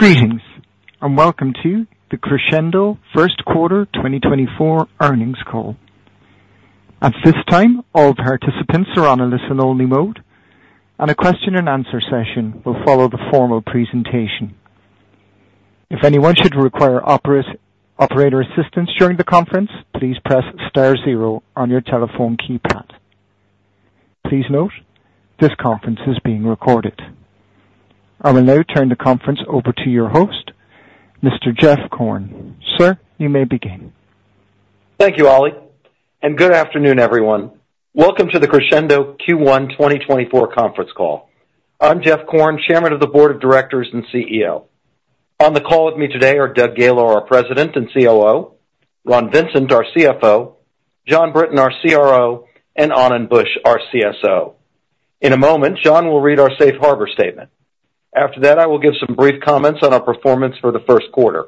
Greetings, and welcome to the Crexendo Q1 2024 Earnings Call. At this time, all participants are on a listen-only mode, and a question-and-answer session will follow the formal presentation. If anyone should require operator assistance during the conference, please press star 0 on your telephone keypad. Please note, this conference is being recorded. I will now turn the conference over to your host, Mr. Jeff Korn. Sir, you may begin. Thank you, Ali, and good afternoon, everyone. Welcome to the Crexendo Q1 2024 Conference Call. I'm Jeff Korn, Chairman of the Board of Directors and CEO. On the call with me today are Doug Gaylor, our President and COO; Ron Vincent, our CFO; Jon Brinton, our CRO; and Anand Buch, our CSO. In a moment, Jon will read our Safe Harbor statement. After that, I will give some brief comments on our performance for the Q1.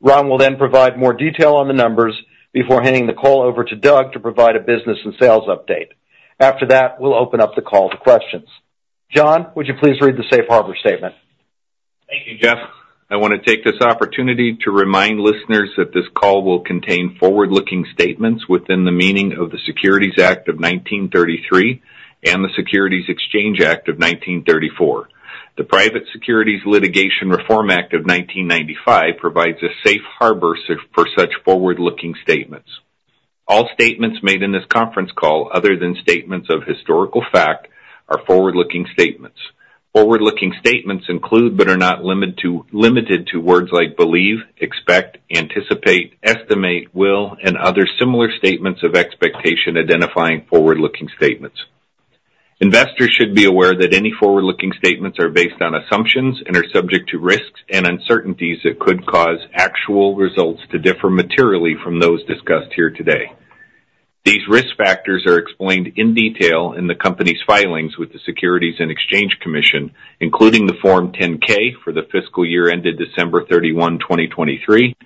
Ron will then provide more detail on the numbers before handing the call over to Doug to provide a business and sales update. After that, we'll open up the call to questions. Jon, would you please read the Safe Harbor statement? Thank you, Jeff. I want to take this opportunity to remind listeners that this call will contain forward-looking statements within the meaning of the Securities Act of 1933 and the Securities Exchange Act of 1934. The Private Securities Litigation Reform Act of 1995 provides a safe harbor for such forward-looking statements. All statements made in this conference call, other than statements of historical fact, are forward-looking statements. Forward-looking statements include but are not limited to words like believe, expect, anticipate, estimate, will, and other similar statements of expectation identifying forward-looking statements. Investors should be aware that any forward-looking statements are based on assumptions and are subject to risks and uncertainties that could cause actual results to differ materially from those discussed here today. These risk factors are explained in detail in the company's filings with the Securities and Exchange Commission, including the Form 10-K for the fiscal year ended December 31, 2023,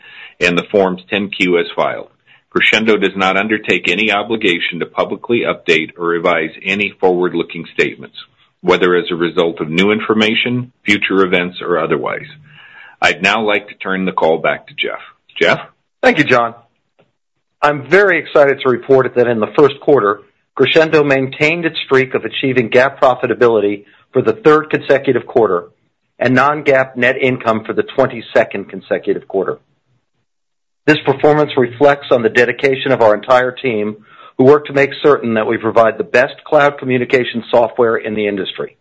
and the Forms 10-Q as filed. Crexendo does not undertake any obligation to publicly update or revise any forward-looking statements, whether as a result of new information, future events, or otherwise. I'd now like to turn the call back to Jeff. Jeff? Thank you, Jon. I'm very excited to report that in the Q1, Crexendo maintained its streak of achieving GAAP profitability for the third consecutive quarter and non-GAAP net income for the 22nd consecutive quarter. This performance reflects on the dedication of our entire team who work to make certain that we provide the best cloud communication software in the industry.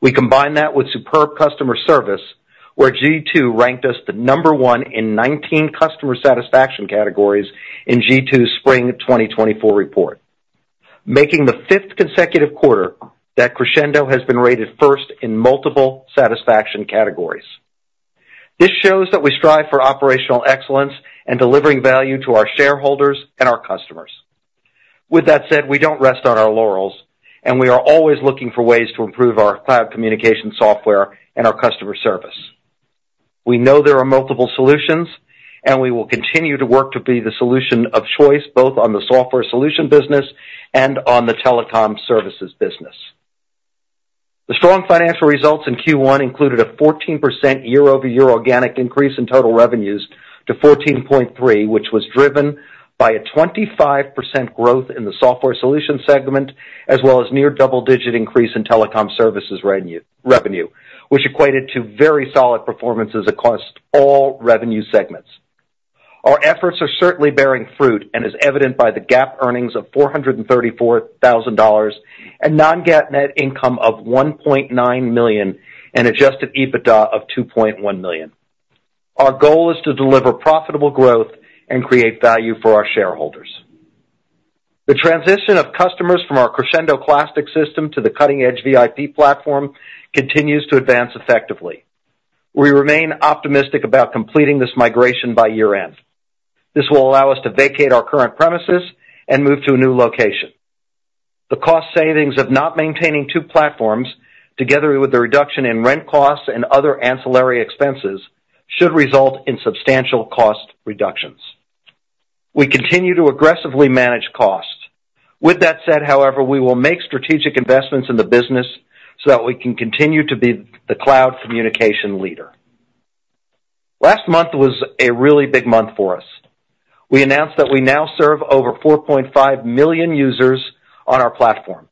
We combine that with superb customer service, where G2 ranked us the number one in 19 customer satisfaction categories in G2's Spring 2024 report, making the fifth consecutive quarter that Crexendo has been rated first in multiple satisfaction categories. This shows that we strive for operational excellence and delivering value to our shareholders and our customers. With that said, we don't rest on our laurels, and we are always looking for ways to improve our cloud communication software and our customer service. We know there are multiple solutions, and we will continue to work to be the solution of choice both on the software solution business and on the telecom services business. The strong financial results in Q1 included a 14% year-over-year organic increase in total revenues to $14.3 million, which was driven by a 25% growth in the software solution segment as well as a near-double-digit increase in telecom services revenue, which equated to very solid performances across all revenue segments. Our efforts are certainly bearing fruit, and as evident by the GAAP earnings of $434,000 and non-GAAP net income of $1.9 million and adjusted EBITDA of $2.1 million. Our goal is to deliver profitable growth and create value for our shareholders. The transition of customers from our Crexendo Classic system to the cutting-edge VIP Platform continues to advance effectively. We remain optimistic about completing this migration by year-end. This will allow us to vacate our current premises and move to a new location. The cost savings of not maintaining two platforms, together with the reduction in rent costs and other ancillary expenses, should result in substantial cost reductions. We continue to aggressively manage costs. With that said, however, we will make strategic investments in the business so that we can continue to be the cloud communication leader. Last month was a really big month for us. We announced that we now serve over 4.5 million users on our platform.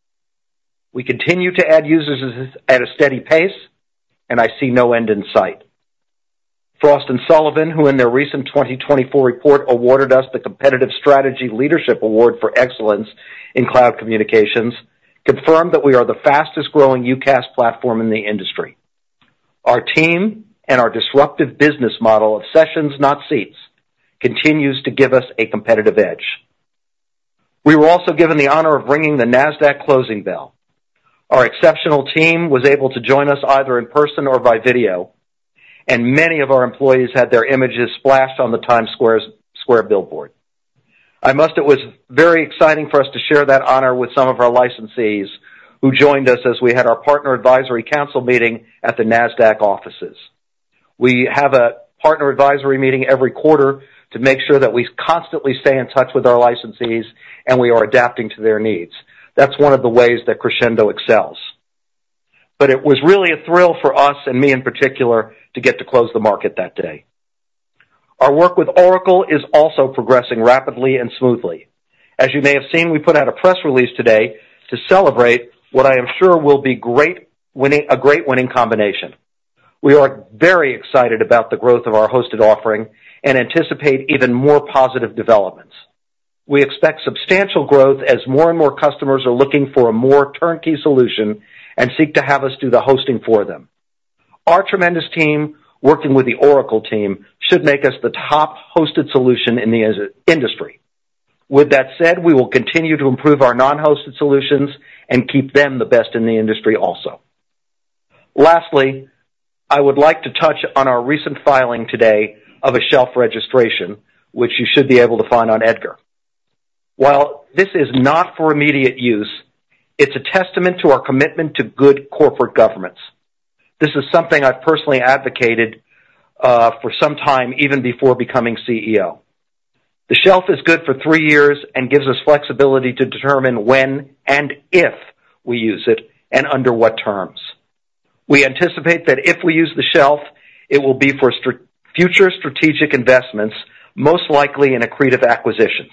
We continue to add users at a steady pace, and I see no end in sight. Frost & Sullivan, who in their recent 2024 report awarded us the Competitive Strategy Leadership Award for Excellence in Cloud Communications, confirmed that we are the fastest-growing UCaaS platform in the industry. Our team and our disruptive business model of sessions, not seats, continues to give us a competitive edge. We were also given the honor of ringing the Nasdaq closing bell. Our exceptional team was able to join us either in person or by video, and many of our employees had their images splashed on the Times Square billboard. I must say, it was very exciting for us to share that honor with some of our licensees who joined us as we had our partner advisory council meeting at the Nasdaq offices. We have a partner advisory meeting every quarter to make sure that we constantly stay in touch with our licensees and we are adapting to their needs. That's one of the ways that Crexendo excels. It was really a thrill for us, and me in particular, to get to close the market that day. Our work with Oracle is also progressing rapidly and smoothly. As you may have seen, we put out a press release today to celebrate what I am sure will be a great winning combination. We are very excited about the growth of our hosted offering and anticipate even more positive developments. We expect substantial growth as more and more customers are looking for a more turnkey solution and seek to have us do the hosting for them. Our tremendous team working with the Oracle team should make us the top hosted solution in the industry. With that said, we will continue to improve our non-hosted solutions and keep them the best in the industry also. Lastly, I would like to touch on our recent filing today of a shelf registration, which you should be able to find on EDGAR. While this is not for immediate use, it's a testament to our commitment to good corporate governance. This is something I've personally advocated for some time, even before becoming CEO. The shelf is good for three years and gives us flexibility to determine when and if we use it and under what terms. We anticipate that if we use the shelf, it will be for future strategic investments, most likely in accretive acquisitions.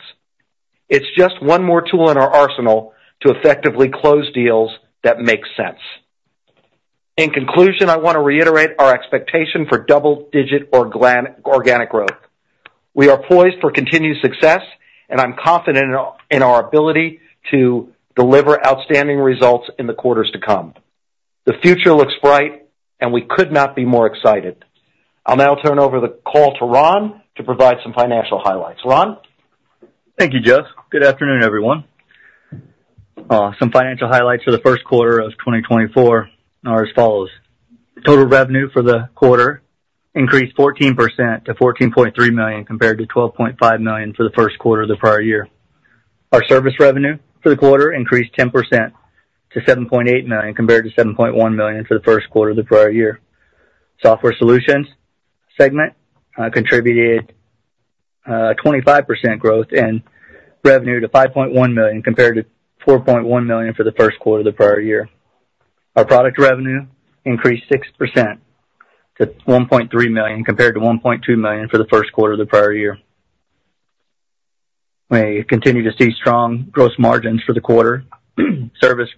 It's just one more tool in our arsenal to effectively close deals that make sense. In conclusion, I want to reiterate our expectation for double-digit or organic growth. We are poised for continued success, and I'm confident in our ability to deliver outstanding results in the quarters to come. The future looks bright, and we could not be more excited. I'll now turn over the call to Ron to provide some financial highlights. Ron? Thank you, Jeff. Good afternoon, everyone. Some financial highlights for the Q1 of 2024 are as follows. Total revenue for the quarter increased 14% to $14.3 million compared to $12.5 million for the Q1 of the prior year. Our service revenue for the quarter increased 10% to $7.8 million compared to $7.1 million for the Q1 of the prior year. Software solutions segment contributed 25% growth in revenue to $5.1 million compared to $4.1 million for the Q1 of the prior year. Our product revenue increased 6% to $1.3 million compared to $1.2 million for the Q1 of the prior year. We continue to see strong gross margins for the quarter. Service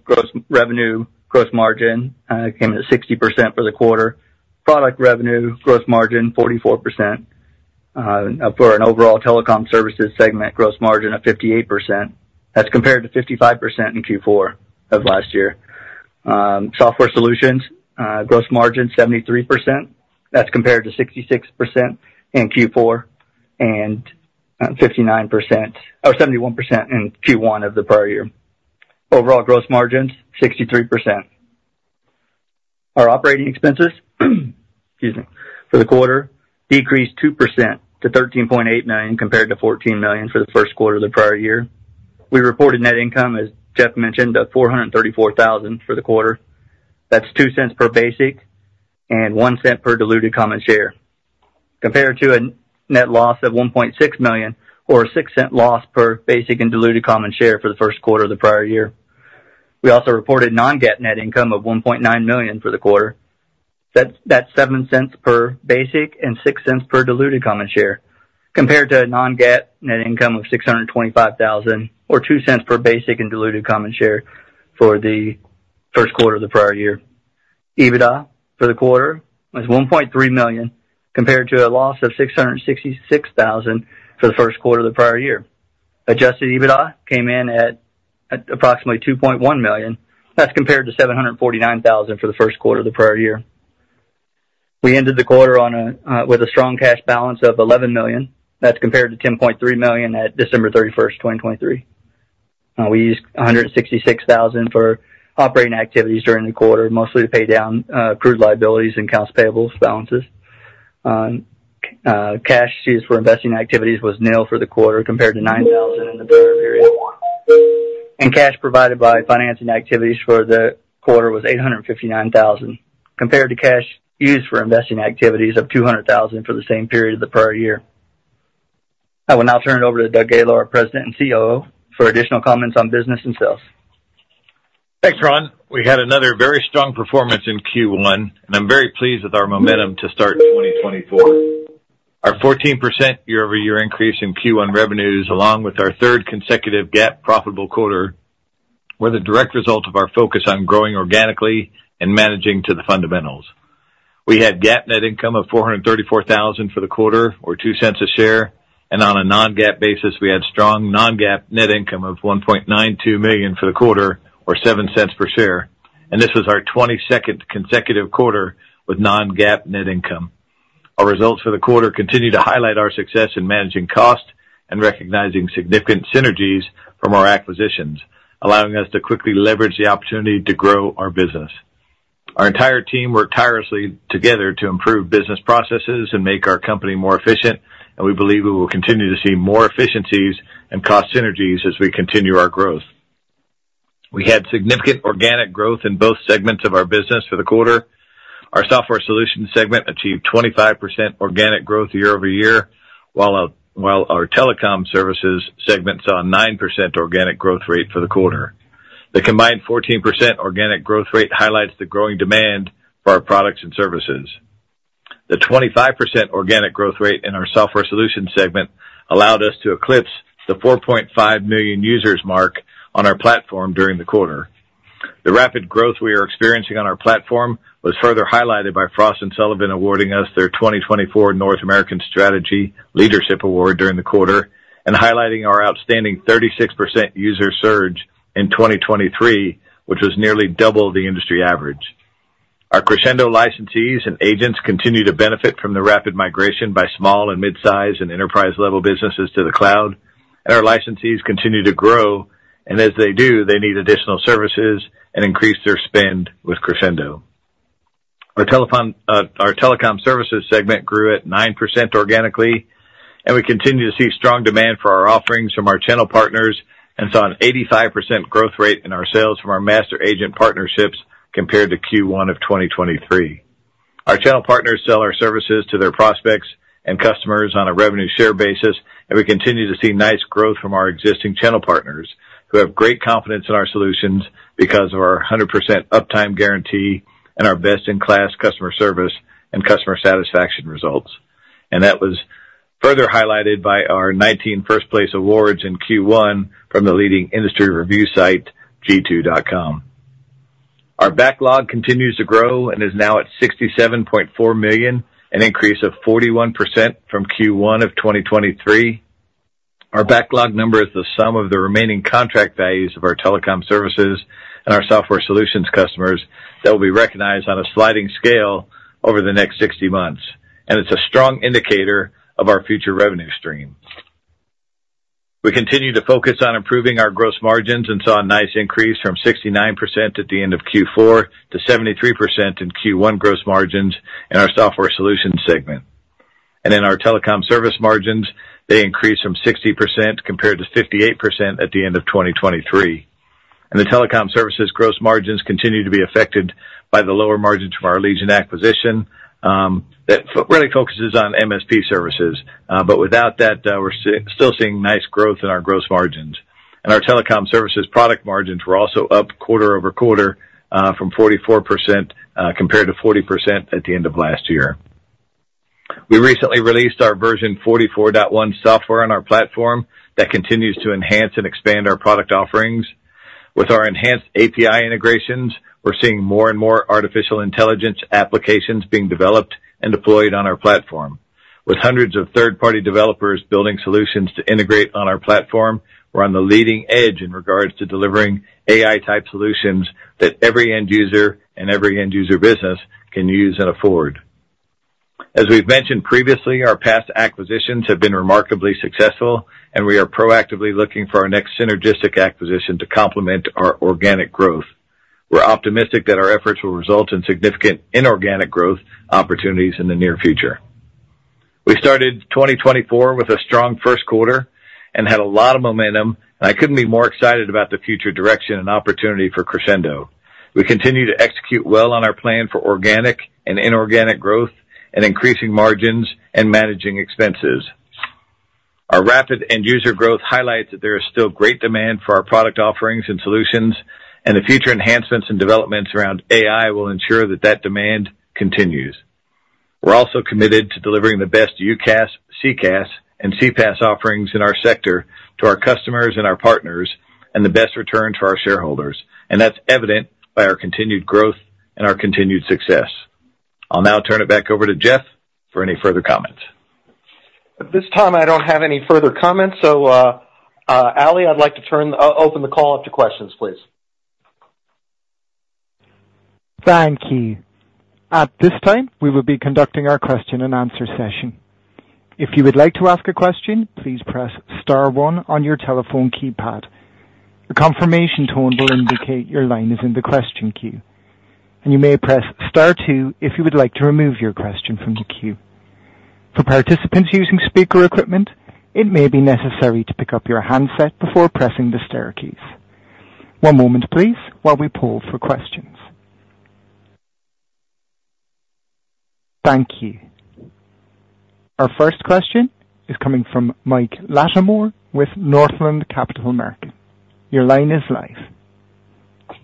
revenue gross margin came in at 60% for the quarter. Product revenue gross margin 44% for an overall telecom services segment gross margin of 58%. That's compared to 55% in Q4 of last year. Software solutions gross margin 73%. That's compared to 66% in Q4 and 51% in Q1 of the prior year. Overall gross margins 63%. Our operating expenses for the quarter decreased 2% to $13.8 million compared to $14 million for the Q1 of the prior year. We reported net income, as Jeff mentioned, of $434,000 for the quarter. That's $0.02 per basic and $0.01 per diluted common share, compared to a net loss of $1.6 million or a $0.06 loss per basic and diluted common share for the Q1 of the prior year. We also reported Non-GAAP net income of $1.9 million for the quarter. That's $0.07 per basic and $0.06 per diluted common share, compared to a non-GAAP net income of $625,000 or $0.02 per basic and diluted common share for the Q1 of the prior year. EBITDA for the quarter was $1.3 million, compared to a loss of $666,000 for the Q1 of the prior year. Adjusted EBITDA came in at approximately $2.1 million. That's compared to $749,000 for the Q1 of the prior year. We ended the quarter with a strong cash balance of $11 million. That's compared to $10.3 million at December 31st, 2023. We used $166,000 for operating activities during the quarter, mostly to pay down accrued liabilities and accounts payable balances. Cash used for investing activities was nil for the quarter, compared to $9,000 in the prior period. Cash provided by financing activities for the quarter was $859,000, compared to cash used for investing activities of $200,000 for the same period of the prior year. I will now turn it over to Doug Gaylor, our President and COO, for additional comments on business and sales. Thanks, Ron. We had another very strong performance in Q1, and I'm very pleased with our momentum to start 2024. Our 14% year-over-year increase in Q1 revenues, along with our third consecutive GAAP profitable quarter, were the direct result of our focus on growing organically and managing to the fundamentals. We had GAAP net income of $434,000 for the quarter, or $0.02 per share. On a non-GAAP basis, we had strong non-GAAP net income of $1.92 million for the quarter, or $0.07 per share. This was our 22nd consecutive quarter with non-GAAP net income. Our results for the quarter continue to highlight our success in managing cost and recognizing significant synergies from our acquisitions, allowing us to quickly leverage the opportunity to grow our business. Our entire team worked tirelessly together to improve business processes and make our company more efficient, and we believe we will continue to see more efficiencies and cost synergies as we continue our growth. We had significant organic growth in both segments of our business for the quarter. Our software solutions segment achieved 25% organic growth year-over-year, while our telecom services segment saw a 9% organic growth rate for the quarter. The combined 14% organic growth rate highlights the growing demand for our products and services. The 25% organic growth rate in our software solutions segment allowed us to eclipse the 4.5 million users mark on our platform during the quarter. The rapid growth we are experiencing on our platform was further highlighted by Frost & Sullivan awarding us their 2024 North American Strategy Leadership Award during the quarter and highlighting our outstanding 36% user surge in 2023, which was nearly double the industry average. Our Crexendo licensees and agents continue to benefit from the rapid migration by small and midsize and enterprise-level businesses to the cloud, and our licensees continue to grow. As they do, they need additional services and increase their spend with Crexendo. Our telecom services segment grew at 9% organically, and we continue to see strong demand for our offerings from our channel partners and saw an 85% growth rate in our sales from our master agent partnerships compared to Q1 of 2023. Our channel partners sell our services to their prospects and customers on a revenue share basis, and we continue to see nice growth from our existing channel partners who have great confidence in our solutions because of our 100% uptime guarantee and our best-in-class customer service and customer satisfaction results. And that was further highlighted by our 19 first-place awards in Q1 from the leading industry review site, G2.com. Our backlog continues to grow and is now at $67.4 million, an increase of 41% from Q1 of 2023. Our backlog number is the sum of the remaining contract values of our telecom services and our software solutions customers that will be recognized on a sliding scale over the next 60 months, and it's a strong indicator of our future revenue stream. We continue to focus on improving our gross margins and saw a nice increase from 69% at the end of Q4 to 73% in Q1 gross margins in our software solutions segment. In our telecom service margins, they increased from 60% compared to 58% at the end of 2023. The telecom services gross margins continue to be affected by the lower margins from our Allegiant acquisition that really focuses on MSP services. But without that, we're still seeing nice growth in our gross margins. Our telecom services product margins were also up quarter-over-quarter from 44% compared to 40% at the end of last year. We recently released our version 44.1 software on our platform that continues to enhance and expand our product offerings. With our enhanced API integrations, we're seeing more and more artificial intelligence applications being developed and deployed on our platform. With hundreds of third-party developers building solutions to integrate on our platform, we're on the leading edge in regards to delivering AI-type solutions that every end user and every end user business can use and afford. As we've mentioned previously, our past acquisitions have been remarkably successful, and we are proactively looking for our next synergistic acquisition to complement our organic growth. We're optimistic that our efforts will result in significant inorganic growth opportunities in the near future. We started 2024 with a strong Q1 and had a lot of momentum, and I couldn't be more excited about the future direction and opportunity for Crexendo. We continue to execute well on our plan for organic and inorganic growth and increasing margins and managing expenses. Our rapid end user growth highlights that there is still great demand for our product offerings and solutions, and the future enhancements and developments around AI will ensure that that demand continues. We're also committed to delivering the best UCaaS, CCaaS, and CPaaS offerings in our sector to our customers and our partners and the best returns for our shareholders. And that's evident by our continued growth and our continued success. I'll now turn it back over to Jeff for any further comments. At this time, I don't have any further comments. So, Ali, I'd like to open the call up to questions, please. Thank you. At this time, we will be conducting our question-and-answer session. If you would like to ask a question, please press star one on your telephone keypad. A confirmation tone will indicate your line is in the question queue, and you may press star two if you would like to remove your question from the queue. For participants using speaker equipment, it may be necessary to pick up your handset before pressing the star keys. One moment, please, while we pull for questions. Thank you. Our first question is coming from Mike Latimore with Northland Capital Markets. Your line is live.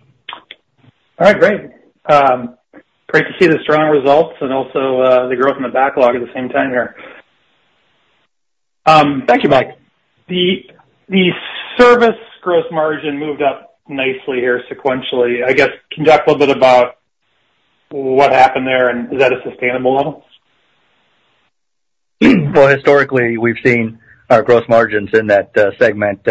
All right. Great. Great to see the strong results and also the growth in the backlog at the same time here. Thank you, Mike. The service gross margin moved up nicely here, sequentially. I guess, can you talk a little bit about what happened there, and is that a sustainable level? Well, historically, we've seen our gross margins in that segment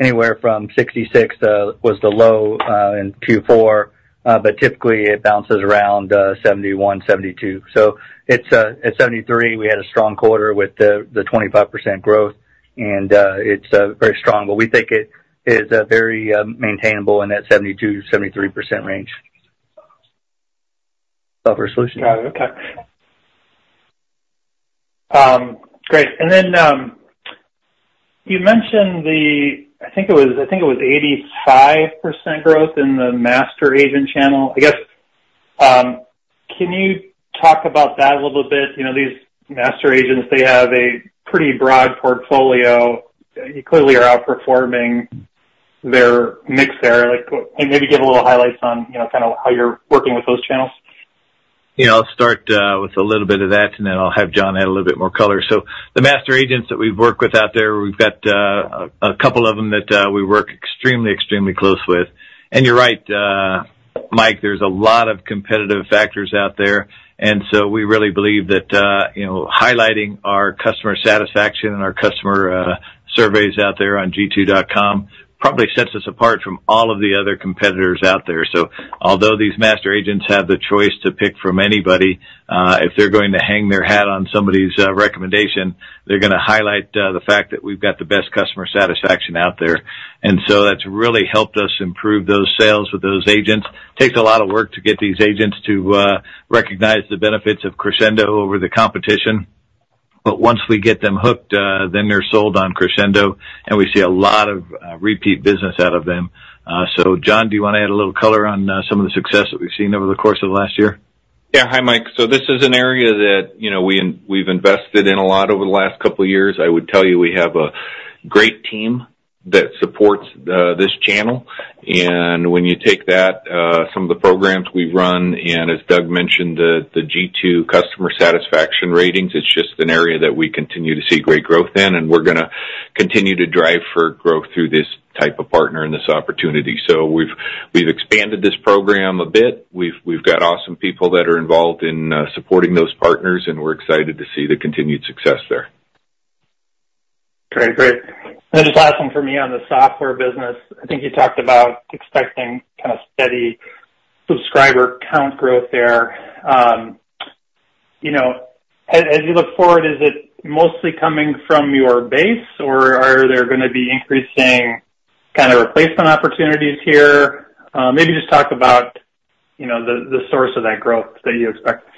anywhere from 66, which was the low in Q4, but typically, it bounces around 71, 72. So at 73, we had a strong quarter with the 25% growth, and it's very strong. But we think it is very maintainable in that 72%-73% range [software] solutions. Got it. Okay. Great. And then you mentioned the, I think, it was 85% growth in the master agent channel. I guess, can you talk about that a little bit? These master agents, they have a pretty broad portfolio. You clearly are outperforming their mix there. Can you maybe give a little highlights on kind of how you're working with those channels? I'll start with a little bit of that, and then I'll have Jon add a little bit more color. So the master agents that we've worked with out there, we've got a couple of them that we work extremely, extremely close with. And you're right, Mike. There's a lot of competitive factors out there. And so we really believe that highlighting our customer satisfaction and our customer surveys out there on G2.com probably sets us apart from all of the other competitors out there. So although these master agents have the choice to pick from anybody, if they're going to hang their hat on somebody's recommendation, they're going to highlight the fact that we've got the best customer satisfaction out there. And so that's really helped us improve those sales with those agents. It takes a lot of work to get these agents to recognize the benefits of Crexendo over the competition. But once we get them hooked, then they're sold on Crexendo, and we see a lot of repeat business out of them. So, Jon, do you want to add a little color on some of the success that we've seen over the course of the last year? Yeah. Hi, Mike. So this is an area that we've invested in a lot over the last couple of years. I would tell you we have a great team that supports this channel. And when you take that, some of the programs we've run, and as Doug mentioned, the G2 customer satisfaction ratings, it's just an area that we continue to see great growth in. And we're going to continue to drive for growth through this type of partner and this opportunity. So we've expanded this program a bit. We've got awesome people that are involved in supporting those partners, and we're excited to see the continued success there. Great. Great. Just last one for me on the software business. I think you talked about expecting kind of steady subscriber count growth there. As you look forward, is it mostly coming from your base, or are there going to be increasing kind of replacement opportunities here? Maybe just talk about the source of that growth that you expect.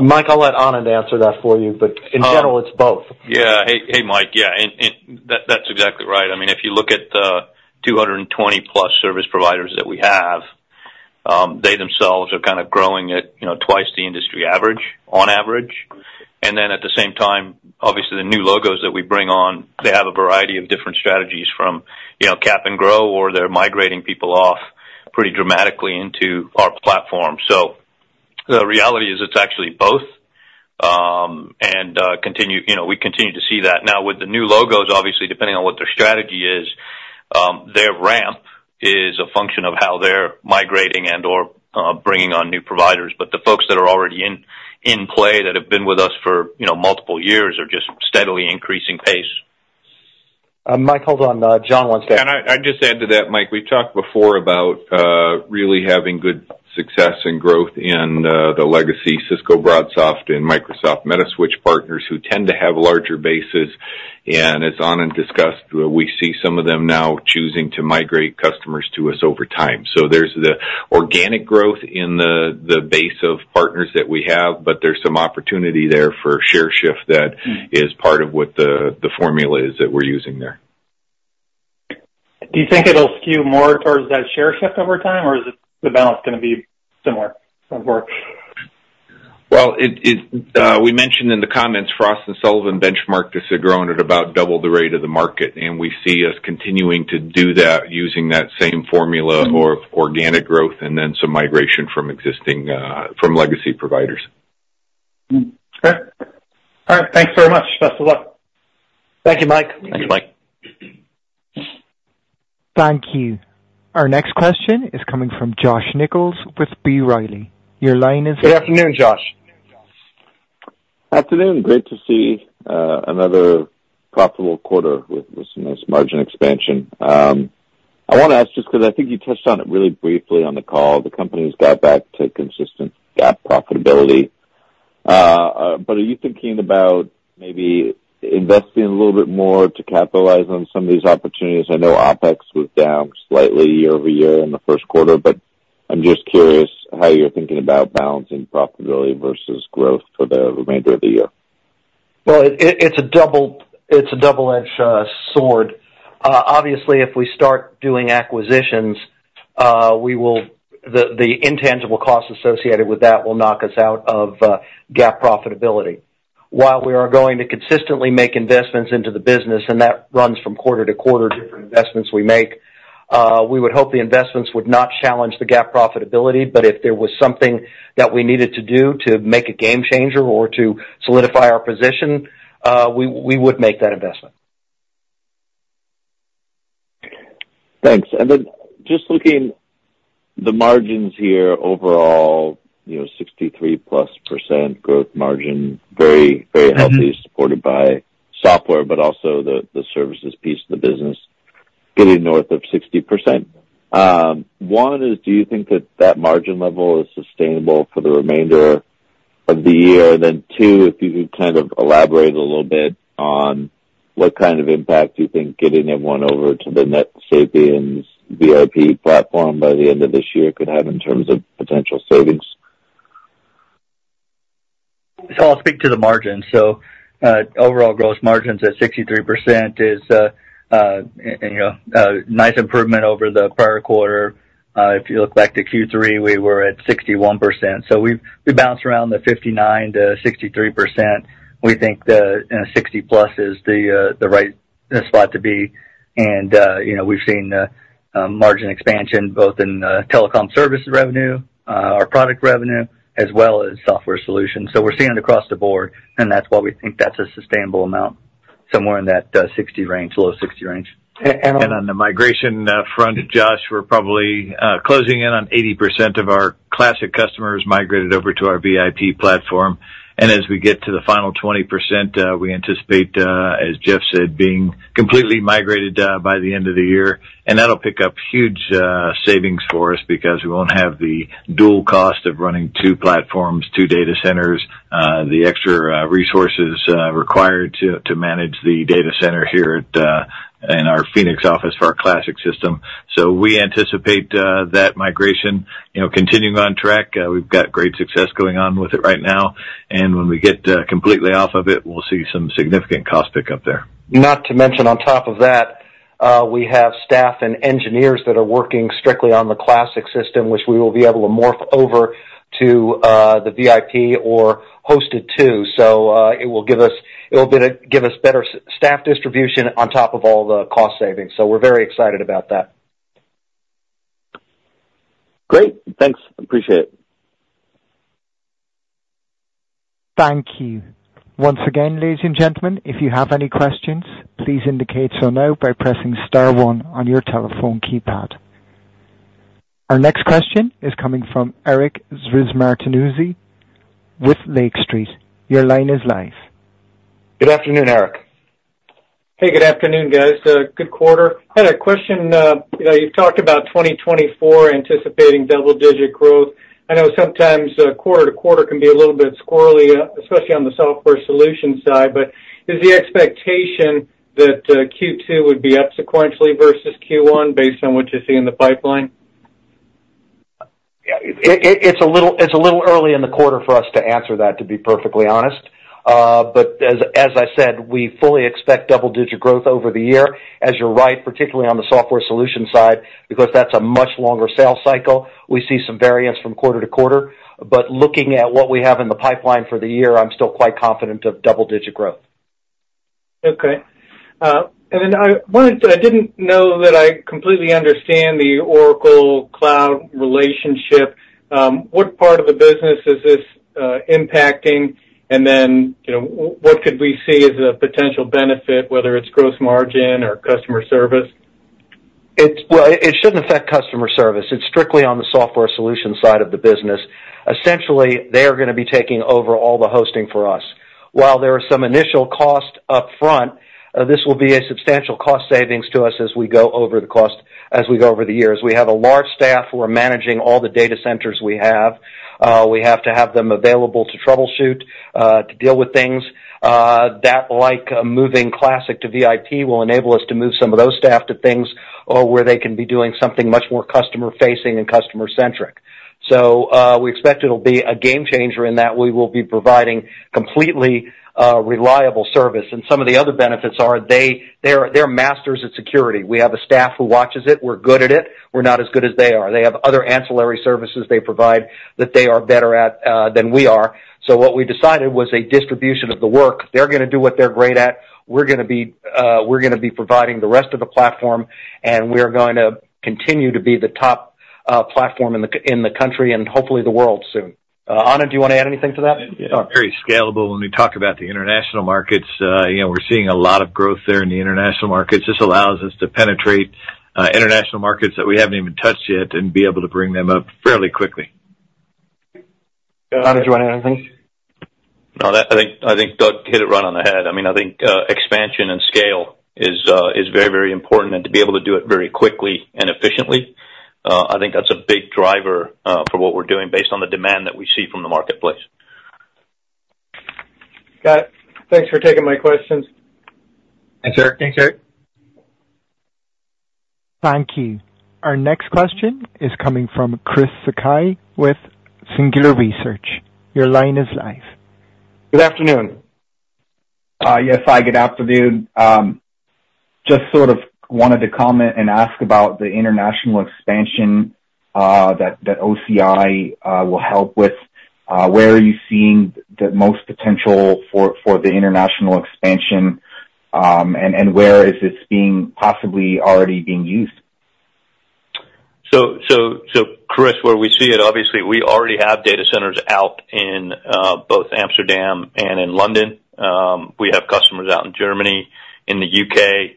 Mike, I'll let Anand answer that for you. But in general, it's both. Yeah. Hey, Mike. Yeah. And that's exactly right. I mean, if you look at the 220+ service providers that we have, they themselves are kind of growing at twice the industry average, on average. And then at the same time, obviously, the new logos that we bring on, they have a variety of different strategies from Cap and Grow, or they're migrating people off pretty dramatically into our platform. So the reality is it's actually both, and we continue to see that. Now, with the new logos, obviously, depending on what their strategy is, their ramp is a function of how they're migrating and/or bringing on new providers. But the folks that are already in play that have been with us for multiple years are just steadily increasing pace. Mike, hold on. Jon wants to. I'd just add to that, Mike. We've talked before about really having good success and growth in the legacy Cisco BroadSoft and Microsoft Metaswitch partners who tend to have larger bases. As Anand discussed, we see some of them now choosing to migrate customers to us over time. There's the organic growth in the base of partners that we have, but there's some opportunity there for share shift that is part of what the formula is that we're using there. Do you think it'll skew more towards that share shift over time, or is the balance going to be similar? Well, we mentioned in the comments, Frost & Sullivan benchmarked us at growing at about double the rate of the market. We see us continuing to do that using that same formula of organic growth and then some migration from legacy providers. Okay. All right. Thanks very much. Best of luck. Thank you, Mike. Thanks, Mike. Thank you. Our next question is coming from Josh Nichols with B. Riley. Your line is. Good afternoon, Josh. Afternoon. Great to see another profitable quarter with some nice margin expansion. I want to ask just because I think you touched on it really briefly on the call. The company's got back to consistent GAAP profitability. But are you thinking about maybe investing a little bit more to capitalize on some of these opportunities? I know OPEX was down slightly year-over-year in the Q1, but I'm just curious how you're thinking about balancing profitability versus growth for the remainder of the year. Well, it's a double-edged sword. Obviously, if we start doing acquisitions, the intangible costs associated with that will knock us out of GAAP profitability. While we are going to consistently make investments into the business, and that runs from quarter to quarter, different investments we make, we would hope the investments would not challenge the GAAP profitability. But if there was something that we needed to do to make a game changer or to solidify our position, we would make that investment. Thanks. And then just looking at the margins here overall, 63%+ growth margin, very, very healthy, supported by software, but also the services piece of the business, getting north of 60%. One, is do you think that that margin level is sustainable for the remainder of the year? And then two, if you could kind of elaborate a little bit on what kind of impact do you think getting everyone over to the NetSapiens VIP Platform by the end of this year could have in terms of potential savings? I'll speak to the margins. Overall, gross margins at 63% is a nice improvement over the prior quarter. If you look back to Q3, we were at 61%. We bounced around the 59%-63%. We think 60+ is the right spot to be. We've seen margin expansion both in telecom services revenue, our product revenue, as well as software solutions. We're seeing it across the board, and that's why we think that's a sustainable amount, somewhere in that 60 range, low 60 range. On the migration front, Josh, we're probably closing in on 80% of our Classic customers migrated over to our VIP Platform. As we get to the final 20%, we anticipate, as Jeff said, being completely migrated by the end of the year. That'll pick up huge savings for us because we won't have the dual cost of running two platforms, two data centers, the extra resources required to manage the data center here in our Phoenix office for our Classic system. So we anticipate that migration continuing on track. We've got great success going on with it right now. When we get completely off of it, we'll see some significant cost pickup there. Not to mention, on top of that, we have staff and engineers that are working strictly on the Classic system, which we will be able to morph over to the VIP or host it too. So it will give us better staff distribution on top of all the cost savings. So we're very excited about that. Great. Thanks. Appreciate it. Thank you. Once again, ladies and gentlemen, if you have any questions, please indicate so now by pressing star one on your telephone keypad. Our next question is coming from Eric Martinuzzi with Lake Street. Your line is live. Good afternoon, Eric. Hey. Good afternoon, guys. Good quarter. I had a question. You've talked about 2024 anticipating double-digit growth. I know sometimes quarter-to-quarter can be a little bit squirrely, especially on the software solution side. But is the expectation that Q2 would be up sequentially versus Q1 based on what you see in the pipeline? Yeah. It's a little early in the quarter for us to answer that, to be perfectly honest. But as I said, we fully expect double-digit growth over the year. As you're right, particularly on the software solution side, because that's a much longer sales cycle, we see some variance from quarter to quarter. But looking at what we have in the pipeline for the year, I'm still quite confident of double-digit growth. Okay. And then I don't know if I completely understand the Oracle Cloud relationship. What part of the business is this impacting? And then what could we see as a potential benefit, whether it's gross margin or customer service? Well, it shouldn't affect customer service. It's strictly on the software solution side of the business. Essentially, they are going to be taking over all the hosting for us. While there are some initial costs upfront, this will be a substantial cost savings to us as we go over the cost as we go over the years. We have a large staff. We're managing all the data centers we have. We have to have them available to troubleshoot, to deal with things. That, like moving classic to VIP, will enable us to move some of those staff to things where they can be doing something much more customer-facing and customer-centric. So we expect it'll be a game changer in that we will be providing completely reliable service. And some of the other benefits are they're masters at security. We have a staff who watches it. We're good at it. We're not as good as they are. They have other ancillary services they provide that they are better at than we are. So what we decided was a distribution of the work. They're going to do what they're great at. We're going to be providing the rest of the platform, and we are going to continue to be the top platform in the country and hopefully the world soon. Anand, do you want to add anything to that? It's very scalable. When we talk about the international markets, we're seeing a lot of growth there in the international markets. This allows us to penetrate international markets that we haven't even touched yet and be able to bring them up fairly quickly. Anand, do you want to add anything? No. I think Doug hit it right on the head. I mean, I think expansion and scale is very, very important, and to be able to do it very quickly and efficiently, I think that's a big driver for what we're doing based on the demand that we see from the marketplace. Got it. Thanks for taking my questions. Thanks, Eric. Thanks, Eric. Thank you. Our next question is coming from Chris Sakai with Singular Research. Your line is live. Good afternoon. Yes, hi. Good afternoon. Just sort of wanted to comment and ask about the international expansion that OCI will help with. Where are you seeing the most potential for the international expansion, and where is it possibly already being used? So, Chris, where we see it, obviously, we already have data centers out in both Amsterdam and in London. We have customers out in Germany, in the U.K.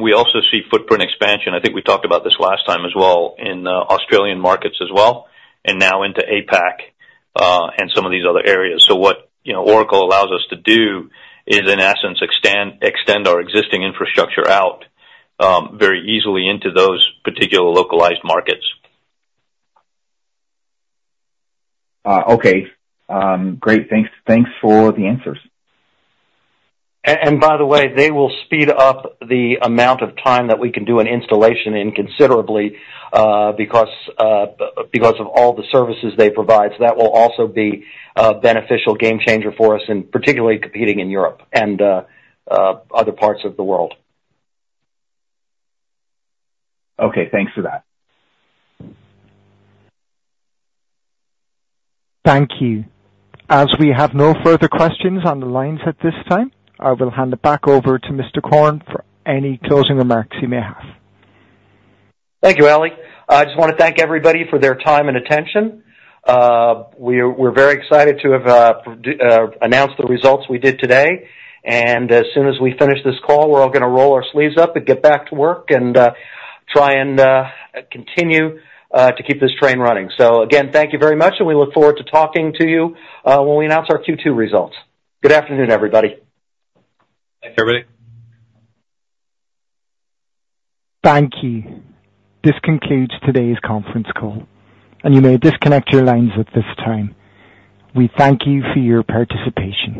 We also see footprint expansion. I think we talked about this last time as well, in Australian markets as well, and now into APAC and some of these other areas. So what Oracle allows us to do is, in essence, extend our existing infrastructure out very easily into those particular localized markets. Okay. Great. Thanks for the answers. And by the way, they will speed up the amount of time that we can do an installation in considerably because of all the services they provide. So that will also be a beneficial game changer for us, and particularly competing in Europe and other parts of the world. Okay. Thanks for that. Thank you. As we have no further questions on the lines at this time, I will hand it back over to Mr. Korn for any closing remarks he may have. Thank you, Ali. I just want to thank everybody for their time and attention. We're very excited to have announced the results we did today. As soon as we finish this call, we're all going to roll our sleeves up and get back to work and try and continue to keep this train running. Again, thank you very much, and we look forward to talking to you when we announce our Q2 results. Good afternoon, everybody. Thanks, everybody. Thank you. This concludes today's conference call, and you may disconnect your lines at this time. We thank you for your participation.